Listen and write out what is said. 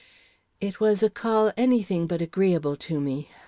It was a call any thing but agreeable to me.